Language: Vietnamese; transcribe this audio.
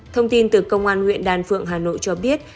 thông tin từ công an huyện đàn phượng hà nội cho biết